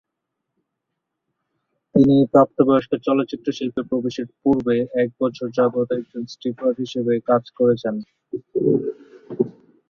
তিনি প্রাপ্তবয়স্ক চলচ্চিত্র শিল্পে প্রবেশের পূর্বে এক বছর যাবত একজন স্ট্রিপার হিসেবে কাজ করেছেন।